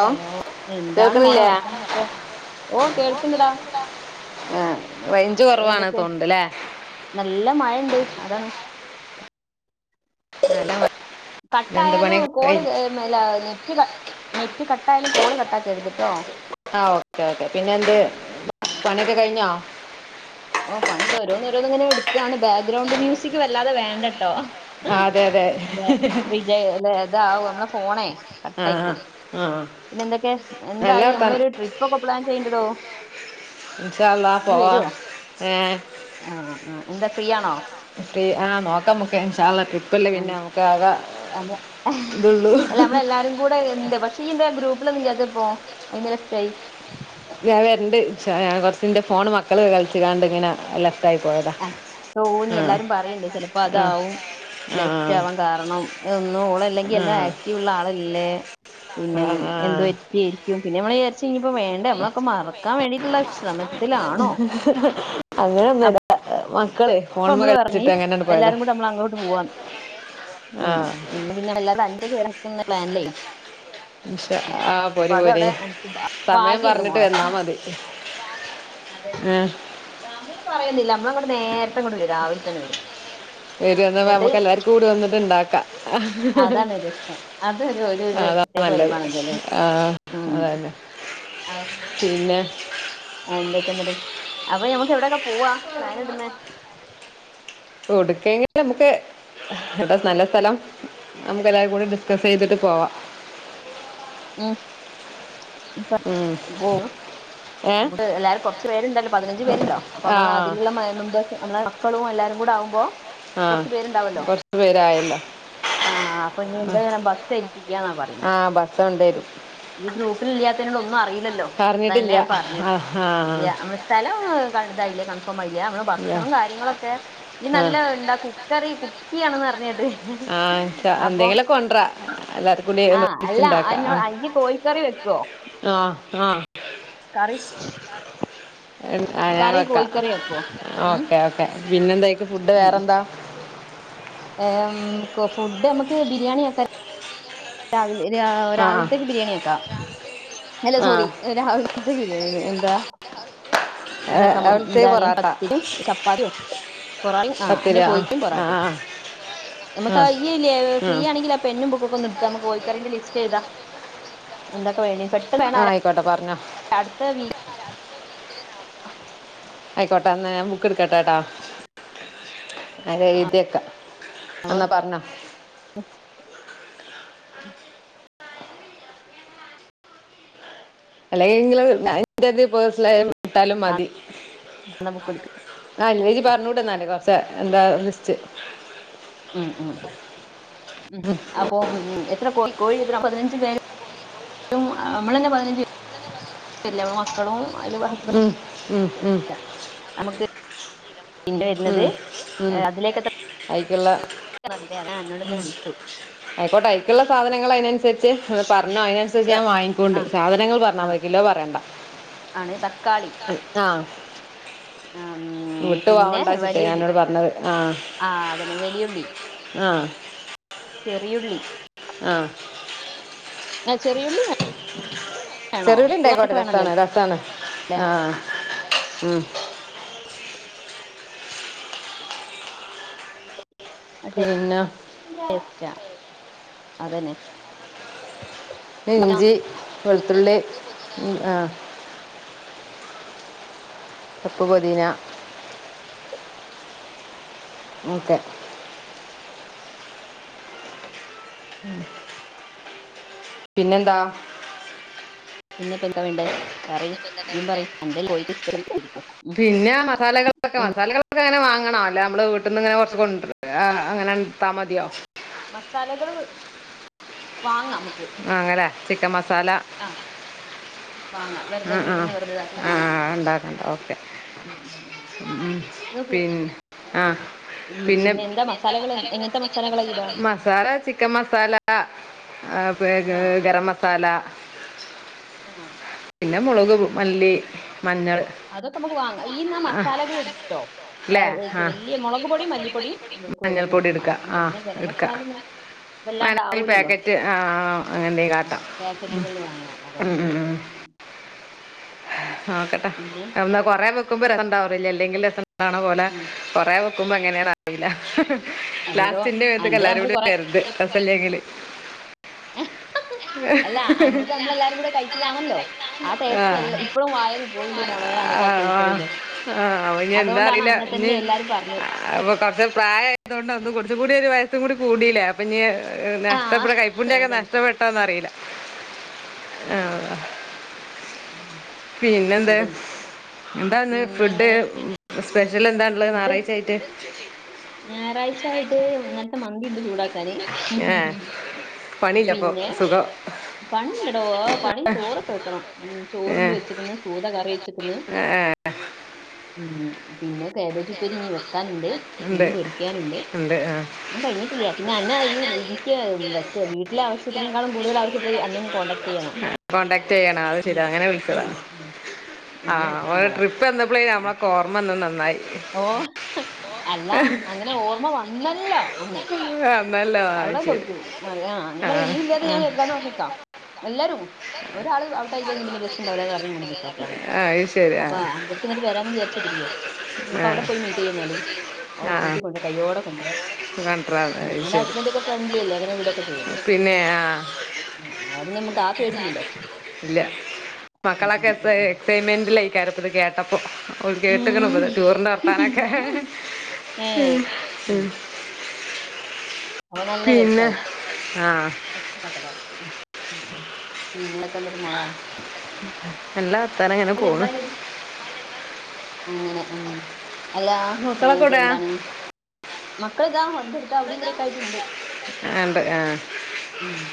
Hello എന്താണ് മോളെ കേൾക്കണില്ലേ വർത്താനൊക്കെ ഓ കേൾക്കണ്ടടാ. ആഹ് റൈഞ്ച് കുറവാണ് എന്തൊക്കെ തൊണണ്ടല്ലേ. നല്ല മഴണ്ട് അതാണ്. നല്ല മ- എന്ത് പണി കട്ടായാലും കോള് കഴി- കേറുന്നെരു ല്ല നെറ്റ് നെറ്റ് കട്ടായാലും കോള് കട്ട് ആക്കരുത്ട്ടോ. ആ ഓക്കെ ഓക്കെ പിന്നെ എന്ത് പണിയൊക്കെ കഴിഞ്ഞോ. ഓ പണിത് ഓരോന്നോരോന്നിങ്ങനെ എടുക്കയാണ് ബാക്ക്ഗ്രൗണ്ട് മ്യൂസിക് വല്ലാതെ വേണ്ടട്ടോ. ആ അതെ അതെ ജല്ല ഇതാവ നമ്മളെ ഫോണേ ആ കട്ടായി പോകും ആ, ആ പിന്നെ എന്തൊക്കെ നല്ല എന്തായി നമ്മളെ വർത്താനം ഒരു ട്രിപ്പ് ഒക്കെ പ്ലാൻ ചെയ്യ്ണ്ടടോ ഇൻഷാ അള്ളാ പോവാ ഏഹ് ആഹ് ആഹ് എന്താ ഫ്രീയാണോ ഫ്രീ ആഹ് നോക്കമ്മക്കെ ഇൻഷാ അള്ളാ ട്രിപ്പല്ലെ പിന്നെ നമ്മക്കാക അതെ നമ്മളല്ലാരും കൂടെ എന്തെ പക്ഷെ നീ എന്ത്യേ ഗ്രൂപ്പിലൊനും ഇല്ലാത്തപ്പോ അയിന് ലഫ്റ്റായി ഞാൻ വരണ്ട് ഇൻഷാ കൊറ്ച്ചി്ന്റെ ഫോണ് മക്കള് കളിച്ച്ങ്ങാണ്ട് ഇങ്ങനെ അല്ല ലെഫ്റ്റ് ആയി പോയതാ ആഹ് തോന്നി ആ എല്ലാരും പറയ്ണ്ടെ ചെലപ്പോ ആ അതാവും ലെഫ്റ്റ ആവാൻ ആ കാരണം എന്നും ഓളല്ലെങ്കി ആ എല്ലാ ആക്റ്റി വുള്ള ആളല്ലേ പിന്നെ അതാണ് ആ എന്ത് പറ്റി ക്കും പിന്നെ നമ്മള്‌ വിച്ചാരിച്ച് ഇനിയിപ്പോ വേണ്ട നമ്മളൊക് മറക്കാ വേണ്ടിട്ട്ള ശ്രമത്തിലാണോ അങ്ങനെ ഒന്ന മക്കളെ ഇപ്പ മ്മള് പറഞ്ഞി അങ്ങനെയാണ് പോയതാ എല്ലാരും കൂടെ നമ്മള് അങ്ങോട്ട് പോവാന്ന് ആ ഉം ഇന്ന് പിന്നെ വല്ലാതെ അൻതേക്ക് വരനിക്ക്ന്ന പ്ലാനിലെയ് ഇൻഷാ ഉം ആ അപ്പൊ പോര് അത പോര് എവ്ടെ അൻക്ക് സമയം ഭാഗ്യണ്ട് പറഞ്ഞിട്ട് മോളെ വന്നാ മ് മതി അതെ ആ സമയം പറയുന്നില്ല നമ്മള അങ്ങോട്ട് നേരത്തെ ഇങ്ങോട്ട് വെരാ രാവിൽ തെന്നെ വെരാ ഇന്ന്ട്ട് കൂട് വന്നിട്ട്ണ്ടാക്ക അഹ് ഹ് അതാണ് രസം അതൊരു ഒരു ഹ് അതാ പ്രത്യേക നല്ലത് വൈബാണല്ലോ അല്ലേ ആഹ് ഉം അതന്നെ പിന്നെ അന്തൊക്കെ ഇന്ന്ട്ട് അപ്പൊ ഞമ്മക്ക് എവിടെയൊക്കെ പോവാ പ്ലാൻ ഇടുന്നെ കൊടുക്കേകി നമുക്ക് എടാ നല്ല സ്ഥലം നമുക്ക എല്ലാരും കൂടി ഡിസ്കസീത്ട്ട് പോവാ മ് ഇപ ഉം. പോവാണ് ഏ നമ്മുക്ക് എല്ലാരും കൊറച്ച് പേരുണ്ടല്ലോ പതിനഞ്ച് പേരുണ്ടലോ അപ്പൊ ആ നമ്മള അതില്ള്ള മേ മെമ്പേഴ്സ് നമ്മളെ മക്കളും എല്ലാരും കൂടെ ആവുമ്പോ ആഹ് കുറച്ച് കൊറച്ചു പേരായല്ലോ ആഹ് അപ്പൊ ഇനി എന്തെയണം ബസ്സേൽപ്പിക്കാന്ന പറയിന്നെ ചൊണ്ടേരും ഈ ഗ്രൂപ്പിലില്ലാത്തിനൊടൊന്നു അറില്ലല്ലോ അതന്നെ പറഞ്ഞിട്ടില്ല ഞാൻ ആ പറഞ്ഞത് ആ ഇല്ല്യ സ്ഥലം കൺ ഇതായില്ലെ കൺഫോമായില്ല നമ്മളെ ഇല്ല. ഭക്ഷണോ കാര്യങ്ങളൊക്കെ ഇയ്യ് ആ നല്ലാ ഇണ്ടാക്കും ക്കുകറി കുക്കി ആണ്ന്ന് അറിഞ്ഞേട്ട് ആഹ് ച്ച എന്തെങ്കിലൊക്കെ കൊണ്ടരാ എല്ലാ കൂട്ടി ഒന്ന് ല്ല ഒപ്പിച്ചുണ്ടാക്കാം അനൊ ഇയ്യ് കോഴിക്കറി വെക്കോ ആഹ് ആഹ് കറി ഇൻ ആഹ് നാ കറി വെക്കാ കോഴിക്കറി വെക്കുവോ ഉം ഓക്കേ ഓക്കെ പിന്നെ എന്തയ്ക്ക് ഫുഡ് വേറെ എന്താ ഏം കോ ഫുഡ് നമ്മക്ക് ബിരിയാണി ആക്ക രാവിലെ ആ രാവിലത്തേക്ക് ബിരിയാണി ആക്കാ അല്ല ആ ആ സോറി രാവിൽത്തെന്നെ ബിരിയാണിന് എന്താ ഏ- ഇതാക്കാ നമ്മക്ക് അവിടുത്തെ എന്താണീ പൊറാട്ട പത്തിരിം ചപ്പാത്തിം പൊറ ആഹ് അന്റെ പത്തിരി ആ കോഴിക്കും ആ പൊറാട്ടിം ആ ആ നമ്മക്ക അയ്ല്ലേ ആ ആ ഫ്രീ ആണെങ്കിൽ ലഫ് പെന്നും ബുക്കൊക്കെ ഒന്ന് ഇട്ത്ത നമ്മക്ക് കോഴിക്കറിന്റെ ലിസ്റ്റ് എഴ്താ എന്തൊക്കെ വേണ്ടേ പേനാരാ ആയിക്കോട്ടെ പറഞ്ഞോ അടുത്ത വീ ആയിക്കോട്ടെ എന്നാ ഞാൻ ബുക്ക് എട്ക്കട്ടെട്ടൊ ഞാന് എഴ്തിക്കാ എന്നാ പറഞ്ഞോ അല്ലെങ്കില് ഞാൻ എന്റെതി പേഴ്സണലായി വിട്ടാലും മതി ബുക്ക് എടുക്കുക ആഹ് ഇന്നിജ്ജ് പറഞ്ഞൂടന്നാല് കൊറച്ചെ എന്താ ലിസ്റ്റ് ഉം ഉം ഉം അ അപ്പം എത്ര കോ കോഴി പതിനഞ്ച് പേര് നമ്മളെ ന്നെ പതിനഞ്ച് പേരില്ലെ ല്ലേ മക്കളും അതി ഉം ഉം ഉം നമുക്ക് പിന്നെ വര്ന്നത് അതിലേക്ക അഐക്ക്ള്ളേ [unintelligible] ആയിക്കോട്ടെ അയ്ക്ക്ള്ളെ സാധനങ്ങൾ അയ്നൻസരിച്ച് ഒന്ന് പറഞ്ഞു അയിന് ഏ, ഞാൻ വാങ്ങിക്കോണ്ട് ആ സാധനങ്ങൾ ആ പറഞ്ഞാൽ മതി കിലോ പറയണ്ട ആണ് തക്കാളി ആ ഉം, വിട്ടു പിന്നെ പോവണ്ടാ ചിറ്റേ വലിയുള്ളി ഞാഎന്നോട് പറഞ്ഞത് ആഹ് ആ അതന്നെ വലിയുള്ളി ആഹ് ചെറിയുള്ളി ആഹ് ആ ചെറിയുള്ളി വേണോ ചെറിയുള്ളി ഇണ്ടായിക്കോട്ടെ തൂവാനൊക്കെ ലെ വേണമല്ലോ രസാണ് രസാണ് ആഹ് ഉം പിന്നെ [unintelligible] അതന്നെ പിന്നെ ഇഞ്ചി വെളുത്തുള്ളി ആ ചപ്പ് പൊതീന ഉം ഉം പിന്നെന്താ പിന്നെപ്പന്താ വേണ്ടേ പറയ് യും പറയ് എന്റെയി കോയി സ്പെല് ഉം പിന്നെ മസാലകൾ ഇതൊക്കെ പിന്നെ മസാലകളൊക്കെ അങ്ങനെ വാങ്ങണോ അല്ല നമ്മള് വീട്ടീന്ന്ങ്ങെ കൊറച്ച് കൊ അങ്ങനെ ഇട്ടാ മതിയോ മസാലകൾ വാങ്ങാം ആഹ് വാങ്ങല്ലെ ചിക്കം മസാല ആ വാങ്ങാം വെറുതെ ഉം വീട്ടിൽ ആഹ് നിന്ന് വെറുതെ ഇതാക്കണ്ട ആഹ് ഉണ്ടാക്കണ്ട ഓക്കെ ഉം ഉം ഉം [unintelligible] പിന്നെ ആ ഉം പിന്നെ എന്താ മസാലകൾ എങ്ങനത്തെ മസാലകളാ എയ്താ മസാല ചിക്കൻ മസാലാ ആ ഗരം മസാലാ ആഹ് പിന്നെ മുളക് മല്ലി മഞ്ഞൾ അതൊക്കെ നമുക്ക് വാങ്ങാം ഈന്നാ ആ മസാലകൾ എടുത്തോ അല്ലേ അെ ആ വലിയ മുളക് പൊടിയും മല്ലിപ്പൊടിയും നക്ക് മഞ്ഞൾപ്പൊടി എടുക്കുക വിടന്ന്ക്കും തന്നെ ഗരം മസാല ഒന്നും വനൽ പാക്കറ്റ് ആഹ് ആഹ് പാക്കറ്റുകൾ വാങ്ങാം ഉം, ഉം, അതാന്നല്ലേ ആ കട്ടെ ഇൻ ഒ കൊറേ വെക്കുമ്പോ രസംണ്ടാവറില്ല അല്ലെങ്കിൽ രസംണ്ടാണ പോലെ ഉം, കൊറെ വെക്കുമ്പോ അങ്ങന അറീല്ല അല്ലടോ ലാസ്റ്റിന്റെ മേത്ത്ക്ക് അന്റെ എല്ലാരും നമ്മൾ കൂടി കൊറേ വരര്ത് രസല്ലങ്കില് അല്ല അൻപത് നമ്മളെല്ലാരും കൂടെ കഴിച്ചതാണല്ലോ ആഹ് ആ ടേസ്റ്റ് എല്ല ഇപ്പഴും വായെ പോയില്യ മോളെ അനെത്തെ കോയിക്കറിന്റെ ആഹ് ഇനി എന്താ അറിയില്ല ഇനി പറഞ്ഞത് അപ്പൊ കൊറച്ച പ്രായ അതുകൊണ്ട്ന്നും കുറച്ചും കൂടി ഒരു വയസും കൂടി കൂടിയിലേ അപ്പൊ നീ ആ നഷ്ട ഇടെ കൈപ്പുണ്ണ്യയൊക്കെ ന അതന്നെ ഇത്ര പെട്ടന്നറീ ല ആ ഉം, ഉം പിന്നെന്ത് അതന്നെ എന്താന്ന് പിന്നെ ഫുഡ് എങ്ങനെ സ്പെഷ്യല് എന്താള്ളെ ഫുഡ് ഞാറാഴ്ച്ച ആയിട്ട് ഞായറാഴ്ച ആയിട്ട് ഇന്നൽത്തെ മന്തി ഇണ്ട് ചൂടാക്കാന് പണില്ലപ്പൊ സുഖം പണിണ്ടടോ പണി ചോറൊക്കെ വെക്കണം ഉം ചോറ്ണ്ട് ഏ വെച്ച്ക്ക്ണ് സൂത കറി വെച്ചിക്ക്ണ് ഉം പിന്നെ കേബേജ് ഉപ്പേരി ഇഞ്ഞി വെക്കാന്ണ്ട് മീൻ ഉണ്ട് പൊരിക്യാന്ണ്ട് ഉണ്ട് ഒന്നും കഴിഞ്ഞിട്ടില്ല പിന്നെ അന്ന ഈ ഇൻക് വ വീട്ടില ആവശ്യത്തിനേക്കാളും കൂടുതൽ ആവശ്യ പ്പൊ അന്നെ ഒന്ന് കോണ്ടാക്ട് ചെയ്യണ ആ കോണ്ടാക്ട് ചെയ്യണം അയ് ശരി അങ്ങനെ വിൾച്ചത ഉം. ആ അങ്ങനെ വെക്കുക മോളെ ട്രിപ്പ് വന്നപ്പളെനി അമ്മളോക്കെ ഓ ർമ വന്ന നന്നായി ഓ അല്ലാ അങ്ങനെ ഓർമ വന്നല്ലോ അന്നെ എന്നല്ലോ ആ അവ്ട ശരി കൊട്ക്ക് മറയാ ഞാൻ ആ പറ ഇയ്യ് ഇല്ലാതെ ആ ഞാൻ വര്ല്ലാന്ന് പർഞ്ഞിക്കാ എല്ലാരും ഒരാള് അവ്ട്ടായി കഴിഞ്ഞ പിന്നെ രസംണ്ടാവൂല ന്ന് പർഞ്ഞിങ്ങാണ്ട് ആ അത് ശരി ആ അപ്പൊ അന്റെ അട്ത്ത് വരാന്ന് വിചാരിച്ച്കുത്തിരിക്കാണ് നമ്മക്ക് ആ അവ്ടെ പോയി മീറ്റ് ചെയ്യന്നാല് ഓള ആ കൂട്ടിക്കൊണ്ട് കയ്യോടെ കൊണ്ട്രാ കണ്ടാ ഉം അന്റെ ശരി ഹസ്ബൻഡ് ഒക്കെ ഫ്രണ്ട്ലി അല്ലേ അങ്ങനെ വിടൊക്കെ ചെയ്യൂലെ പിന്നെ ആ ന്നാ പിന്നെ നമ്മക്ക് ആ പേടില്ലല്ലോ ഇല്ല ഉം, മക്കളൊക്കെ ഉം, ഉം, എ ഉം. എക്സൈമെന്റിലയിക്കാരം ഇത് കേട്ടപ്പോ ഓല് കേട്ട്ക്ക്ണ് ഇത് ടൂറിന്റെ വർത്താനൊക്കെ ഉം. ഏ ഉം അപ്പൊ നല്ല പിന്നെ രസാവും ആ [unintelligible] നല്ലാ വർത്താനം അങ്ങനെ വയലൊരു പോണ് വയലൊരു അങ്ങനെ ഉം അല്ലാ മക്കളൊക്കെ മറ്റേ ഇവിടെയാ എന്താണ് മക്കൾ താ [unintelligible] അവ്ടിം ഇവടിം ഒക്കെ ആയിട്ട്ണ്ട് ആ ഇണ്ട് ആ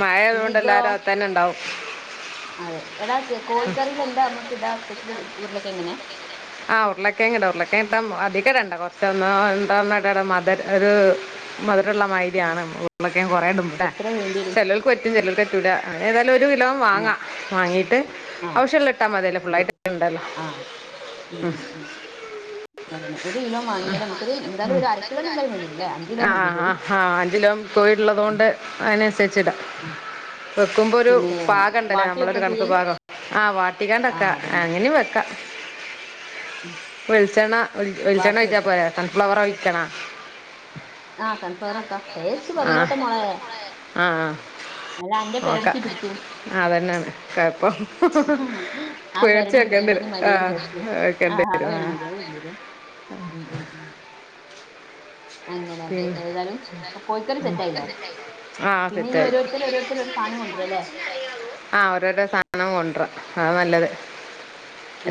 മഴ പിന്നെ ആയദോണ്ട് ഇതോ എല്ലാരും അകത്തന്നെ ഇണ്ടാവും അതെ എടാ കോഴിക്കറില് എന്താ നമ്മക്ക് ഇടാ സ്പെഷ്യല് ഉര്ളകെയങ്ങന്നെ ആ ഉർളകേങ്ട ഉർളക്കേങ്ങിട്ട അധികടണ്ട കൊർച്ചൊന്നൊ രണ്ടണ്ണോ ഇടണം മദ് ര ഒരു മദരള്ള മായിരി ആണ് ഉരുള കേങ് കൊറേ ഇടുമ്പ ലെ എത്ര വേണ്ടി വരും ചെലോൽക്ക് പറ്റും ചെലോൽക്ക് പ റ്റുട ഏതായാലും ഒരു കിലോം ആ വാങ്ങാ വാങ്ങിയിട്ട് ആ ഔശ്യള്ള ഇട്ടാ മതിയല്ലേ ഒരു ഫുള്ളായിട്ട് ഇടണ്ടല്ലോ ആ ഉം ഉം ഉം അതന്നെ ഒരു കിലോ വാങ്ങിയാൽ നമുക്കൊരു എന്തായാലും ഒരു അരക്കിലോ എന്തായാലും വേണ്ടില്ലേ അഞ്ച് കിലോ ആ മതി ആ കോഴി ആ അഞ്ചിലോം കോഴി ഉം ഇള്ളതൊണ്ട് അയിനൻസര്ച്ടാ ആ വെക്കുമ്പൊ ഒരു പിന്നെ പാകം ഇണ്ടല്ലേ വാട്ടി വെക്കാ നമ്മളൊരു ചെയ്യ കണക്ക് പാകം ആ വാട്ടികാണ്ട് ആ വെക്കാ അതന്നെ അങ്ങനിം വെക്കാ ഉം വെൾച്ചണ്ണ വെൾ വെൾച്ചണ്ണ വാട്ടി ഒഴിച്ചാ വെക്ക പോരെ സൺഫ്ലവർ ഒഴിക്കണോ ആ സൺഫ്ലവറ ആക്കാ ടെസ്റ്റ് ആ വന്നോട്ടെ മോളെ ആ അല്ല അന്റെ പെരടിക്ക് പിടിക്കും അതന്നെണ് കഴപ്പം പേട്ച് പെരടി വെക്കേണ്ടി വരും പിടിക്കണ്ടെങ്കിൽ ആ മര്യാദക്ക് ടേസ്റ്റ് വെക്കും ആ വെക്കേണ്ടി ആ അത് വരും വേണ്ടിയരും അത് വേണ്ടിയരും ഉം ഉം പിന്നെ അങ്ങനായിട്ട് ഏതാലും കോഴിക്കറി സെറ്റായി ലെ ആ പിന്നെ ഇഞ് സെറ്റായി ഒരു ത്തര് ഓരോര്ത്തര് ഒരു സാനം കൊണ്ട്രാ ലെ ആ ഓരോരോ സാനം കൊണ്ട്രാ അതാ നല്ലത്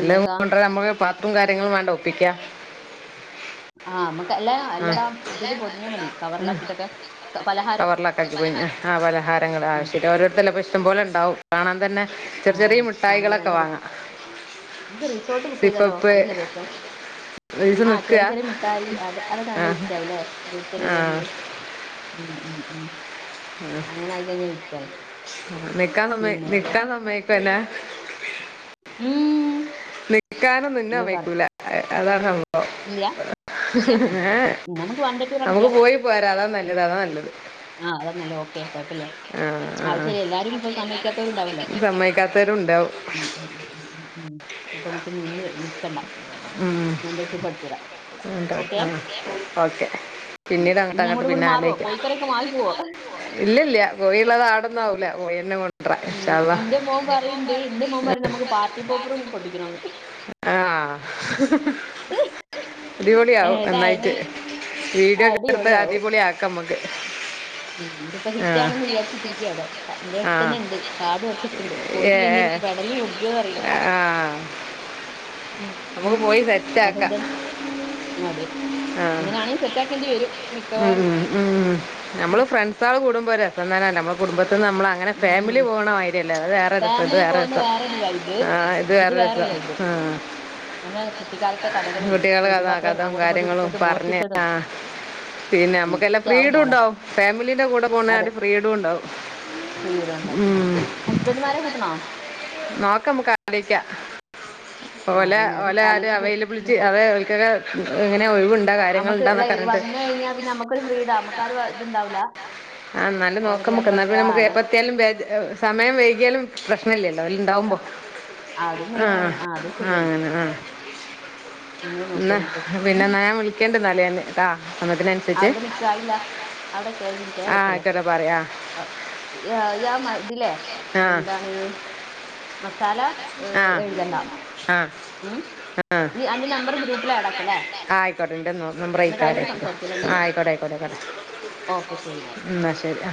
എല്ല കൊണ്ട്രാ നമ്മള് പാ ട്ടും കാര്യങ്ങളും വേണ്ട ഒപ്പിക്കാ ആ അമ്മക്ക് എല്ലാ ആ അല്ലടാ ഇതില് പൊത്ഞ്ഞാ മതി കവർലാക്കിട്ടൊക്കെ പലഹാ കവർലക്കാക്കി പോയ്ഞ് ആ പലഹാരങ്ങള് ഉം. ആവശ്യം ഓരോര്ത്തല്ല ഇഷ്ടം പോലെ ഇണ്ടാവും കാണാൻ തന്നെ ആ ചെർ ചെറീ മുഠായികളൊക്കെ വാങ്ങാ മ്മക്ക് റിസോട്ട് ബുക്ക് ചെയ്താലോ? അതല്ലേ രസം ദിവസം ആ നിൽക്കുക ചെറ്യേ ചെറ്യേ മിട്ടായി അത് അതൊക്കെ ആ നല്ല വിറ്റാവൂല്ലേ ഓരൊരുത്തര് ആ ഓരൊന്ന് ഉ ഉ ഉ അങ്ങനെ ആയി കഴിഞ്ഞാൽ വിറ്റാണ്. നിക്കാൻ സമ്മയി പിന്നെ എന്നിട്ട് നിക്കാൻ സമ്മയ്ക്കല്ലേ ഉം നിക്കാനൊന്നും ഇന്നെ നിങ്ങൾ പറ സമ്മയ്ക്കൂല. അഹ് അതാണ് സംഭവം ഇല്ല ഉം. ഏ ഉം, നമുക്ക് വൺ ഡേ ടൂർ നമക്ക് അടിക്കാം പോയി പോരാ. അതാ നല്ലത് അതാ നല്ലത് ആഹ് അതാന ല്ലേ ഓക്കെ കുഴപ്പല്ല. ആ, ആ. അതും ശെരിയാ. എല്ലാരും ഇപ്പൊ സമ്മക്കാത്തവരുണ്ടാവല്ലോ? സമ്മതിക്കാത്തവരും ഉണ്ടാവും ഉം ഉം ഉം അപ്പൊ നമ്മക്ക് ഇന്ന് നിക്കണ്ട. വൺ ഡേ ട്രിപ്പ് അടിച്ച് വരാം. ഉം ആ ഓക്കെ. പിന്നീട് അങ്ങട്ട് ഇനി അങ്ങട്ട് അങ്ങോട്ടും പിന്നെ ഇങ്ങോട്ട് മാറുവോ ആലോചിക്ക. കോഴിക്കറിയൊക്കെ മാറി പോവോ കോഴിയുള്ളത് ആടൊന്നാവൂല കോഴി തന്നെ കൊണ്ടുവരാ ഉം ഇൻഷാല്ലാ. ഇന്റെ മോൻ പറയ്ണ്ട് ഇന്റെ മോൻ പറയ്ണെ നമുക്ക് പാർ ക്കി പോപ്പറും പൊട്ടിക്കണം ന്ന് ആഹ്. അടിപൊളിയ ആവും ഏതായാലും ഒന്നായിട്ട്. വീഡിയോ ക്കട്ത്ത് അടിപൊളിയാവും അടിപൊളി ആക്ക മ്മക്ക്. ഉം ഇതിപ്പോ ഹിറ്റാണന്ന് വിചാരിച്ചുത്തിരിക്ക അവിടെ എന്റെ ആ അടുത്ത് തന്നെ ഉണ്ട് കാതോർത്തിക്കുന്നുണ്ട്. ഏ പോയിട്ടില്ല ന്റെ പെടലി പൊട്ടിയോന്നറിയില്ല. നമക്ക് പോയി സെറ്റാക്ക. ഹും അതെ ഇങ്ങനെയാണെങ്കിൽ സെറ്റ് ആക്കേണ്ടി വരും ഉം മിക്കവാറും. ഉം ഉം നമ്മൾ ഉം, ഫ്രണ്ട്സേള് കൂടുമ്പോൾ രസന്നെല്ലേ. നമ്മുടെ കുടുംബത്തിൽ നിന്ന് നമ്മള അങ്ങനെ ഉം. ഫാമിലി പോകണമാരിയല്ലല്ലോ അത് വേറെ രസം ഇത് ഫാമിലി വേറെ പോകുന്ന രസം. വേറൊരു വൈബ് ആഹ് ഇത് വേറേ രസം വേറൊരു വൈബ് ആഹ് നമ്മളെ കുട്ടിക്കാലത്തെ കഥകളും കുട്ടികൾ കഥ ചോദ്യപാത്രം കഥും അങ്ങോട്ടും ഇങ്ങോട്ടും കാര്യങ്ങളും എടുത്തതും പറഞ് മോഷ്ടിച്ചതും ആഹ് പിന്നെ നമുക്കെന്നേ വിറ്റാവും ഫ്രീടും മോളെ ണ്ടാവും ഫാമിലീന്റെ കൂടെ പോന്നെട്ടിം ഫ്രീഡും ണ്ടാവും. ഫ്രീഡൊണ്ടാവും. ഹസ്ബൻഡുമാരെ കൂട്ടണോ? നോക്കമ്മക്ക് ആലോയിക്ക ആഹ തന്നെ അത് ആര് ആലോചിച്ചിട്ട് അവൈലബിലിറ്റി ഇനിയിപ്പോ അവ അവൊക്കെ ഇങ്ങനെ ഒഴിവുണ്ടാ കാര്യങ്ങൾ നമുക്ക് ഉണ്ട ന്നൊക്കേ ലൈക് പറഞ്ഞിട്ട് വന്നു കഴിഞ്ഞാൽ പിന്നെ നമക്കൊരു ഫ്രീട നമക്കും ഇത്ണ്ടാവൂല ആഹ് ന്നാല് നോക്ക മ്മക്ക് ന്നാപിന്നെ മക്ക് എപ്പത്തിയാലും സമയം വൈകിയാലും പ്രശ്നല്യല്ലോ ഓല് ഇണ്ടാവുമ്പോ അതും ആ മെയിൻ ആണ് അതും ആ ശരിയാണ് അങ്ങനെ ആ അങ്ങനെ നോക്കി ന്ന നമുക്ക് ഉം പിന്നെ ന്ന ഞാൻ വിളിക്കണ്ട് ന്നാല് ട്ടൊ ന്ന പിന്നെ അയി അവിടെ നിക്കായില്ല. അവിടെ നികെ ഒരു മിനിറ്റെ ആ വെക്കല്ലേ ആയിക്കോട്ടെ പറയാ യ യാ അഹ് ഇതിലേ എന്താണ് മസാല ഏഹ്, ആഹ് എഴുതണ്ട ആഹ് ഉം ആഹ് നീ അന്റെ നമ്പർ ഗ്രൂപ്പിൽ ആഡ് ആക്കല്ലേ ആ ആയിക്കോട്ടെ ഇന്റെ മൊഗം എന്നിട്ട് ബ്രയിക്കാട്. അതിലൂടെ സംസാരിക്കല്ലേ നീ ആഹ് ആയിക്കോട്ടെ ആയിക്കോട്ടെ ആയിക്കോട്ടെ ഓക്കെ ശരി എന്നാല് ന്ന ശരി.